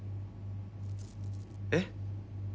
えっ？